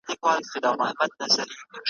چي تر شمېر او تر حساب یې تېر سي مړي `